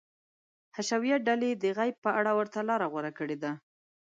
حشویه ډلې د غیب په اړه ورته لاره غوره کړې ده.